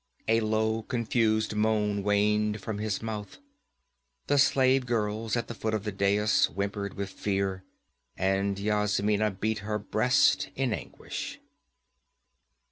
A low confused moan waned from his mouth. The slave girls at the foot of the dais whimpered with fear, and Yasmina beat her breast in anguish.